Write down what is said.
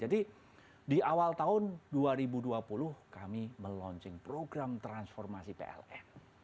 jadi di awal tahun dua ribu dua puluh kami meluncing program transformasi pln